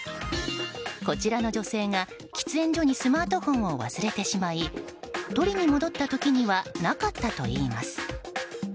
こちらの女性が喫煙所にスマートフォンを忘れてしまい取りに戻った時にはなかったといいます。